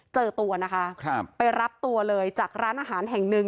เจอตัวนะคะครับไปรับตัวเลยจากร้านอาหารแห่งหนึ่ง